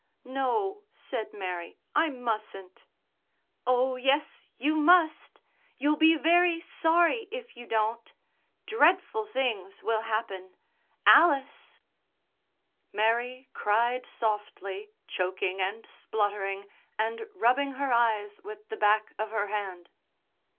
"No," said Mary, "I mustn't." "Oh, yes, you must. You'll be very sorry if you don't. Dreadful things will happen. Alice " Mary cried softly, choking and spluttering and rubbing her eyes with the back of her hand.